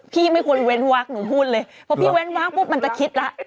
ไม่ควรเว้นวักหนูพูดเลยเพราะพี่เว้นวักปุ๊บมันจะคิดแล้ว